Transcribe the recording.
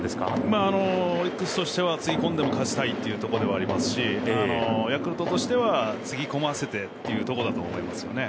理想としてはつぎ込んでも勝ちたいということですしヤクルトとしてはつぎ込ませてというところだと思います。